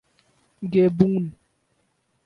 گیبون